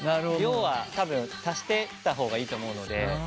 量は多分足してった方がいいと思うので。